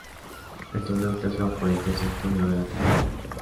El Torneo Clausura fue el tercer torneo de la temporada.